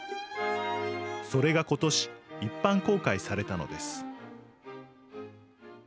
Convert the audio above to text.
それがことし一般公開されたのです。